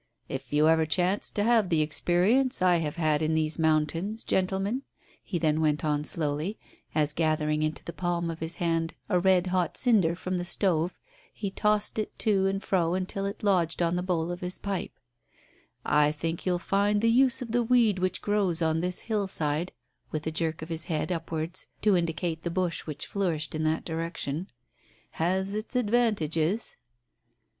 "If you ever chance to have the experience I have had in these mountains, gentlemen," he then went on slowly, as gathering into the palm of his hand a red hot cinder from the stove he tossed it to and fro until it lodged on the bowl of his pipe, "I think you'll find the use of the weed which grows on this hillside," with a jerk of his head upwards to indicate the bush which flourished in that direction, "has its advantages."